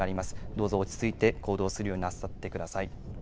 どうぞ落ち着いて行動するようになさってください。